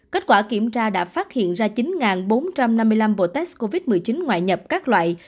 kết quả kiểm tra đã phát hiện ra chín bốn trăm năm mươi năm bộ test covid một mươi chín ngoại nhập các loại